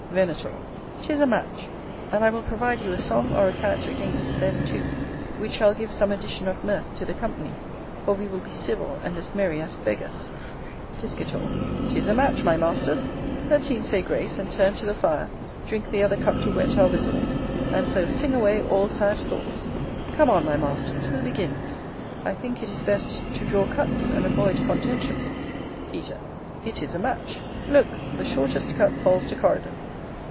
Venator. Tis a match; and I will provide you a song or a catch against then, too, which shall give some addition of mirth to the company; for we will be civil and as merry as beggars. Piscator. Tis a match, my masters. Let's e'en say grace, and turn to the fire, drink the other cup to whet our whistles, and so sing away all sad thoughts. Come on, my masters, who begins? I think it is best to draw cuts, and avoid contention. Peter. It is a match. Look, the shortest cut falls to Coridon.